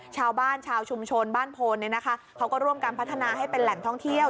ชาวบ้านชาวชุมชนบ้านโพนเขาก็ร่วมกันพัฒนาให้เป็นแหล่งท่องเที่ยว